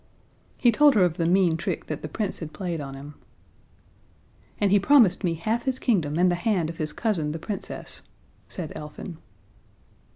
He told her of the mean trick that the Prince had played on him. "And he promised me half his kingdom and the hand of his cousin the Princess," said Elfin.